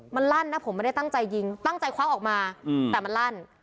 มันลั่นนะผมไม่ได้ตั้งใจยิงตั้งใจควักออกมาแต่มันลั่น